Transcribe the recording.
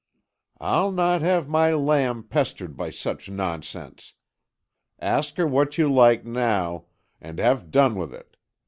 "I'll not have my lamb pestered by such nonsense! Ask her what you like now, and have done with it.